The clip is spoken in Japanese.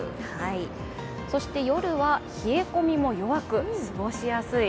そして夜は冷え込みも弱く過ごしやすい。